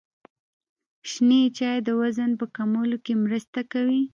شنې چايي د وزن په کمولو کي مرسته کوي.